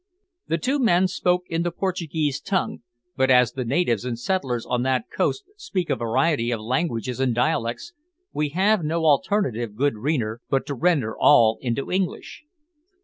The two men spoke in the Portuguese tongue, but as the natives and settlers on that coast speak a variety of languages and dialects, we have no alternative, good reader, but to render all into English.